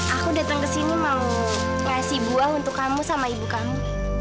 aku datang kesini mau ngasih buah untuk kamu sama ibu kamu